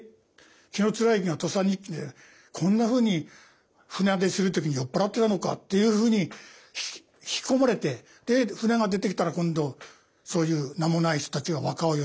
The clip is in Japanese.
紀貫之が「土佐日記」でこんなふうに船出する時に酔っ払ってたのかっていうふうに引き込まれてで船が出てきたら今度そういう名もない人たちが和歌を詠む。